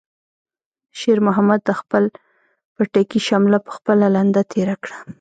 شېرمحمد د خپل پټکي شمله په خپله لنده تېره کړه.